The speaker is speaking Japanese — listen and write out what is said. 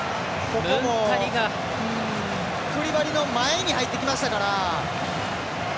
クリバリの前に入ってきましたから。